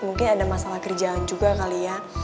mungkin ada masalah kerjaan juga kali ya